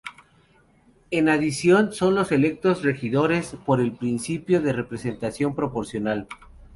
En adición son electos regidores por el principio de representación proporcional.